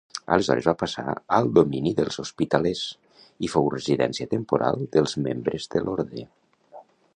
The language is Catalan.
Aleshores va passar al domini dels Hospitalers i fou residència temporal dels membres de l'orde.